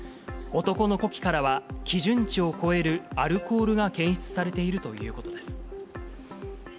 男の呼気からは、基準値を超えるアルコールが検出されているということです。